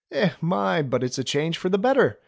Eh my ! but it's a change for the better !